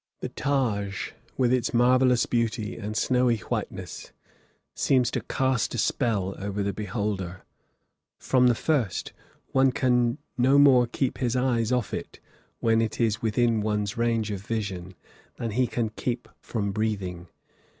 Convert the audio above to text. The Taj, with its marvellous beauty and snowy whiteness, seems to cast a spell over the beholder, from the first; one can no more keep his eyes off it, when it is within one's range of vision, than he can keep from breathing.